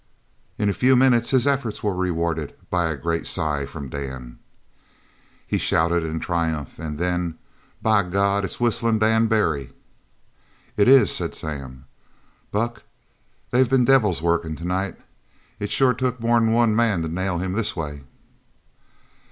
In a few minutes his efforts were rewarded by a great sigh from Dan. He shouted in triumph, and then: "By God, it's Whistlin' Dan Barry." "It is!" said Sam. "Buck, they's been devils workin' tonight. It sure took more'n one man to nail him this way."